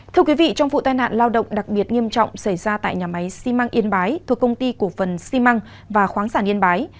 thưa quý vị trong vụ tai nạn lao động đặc biệt nghiêm trọng xảy ra tại nhà máy xi măng yên bái thuộc công ty cổ phần xi măng và khoáng sản yên bái